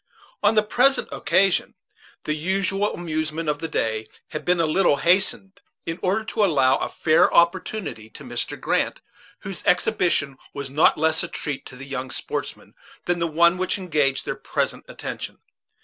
On the present occasion, the usual amusement of the day had been a little hastened, in order to allow a fair opportunity to Mr. Grant, whose exhibition was not less a treat to the young sportsmen than the one which engaged their present attention.